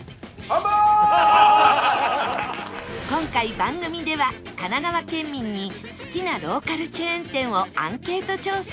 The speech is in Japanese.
今回番組では神奈川県民に好きなローカルチェーン店をアンケート調査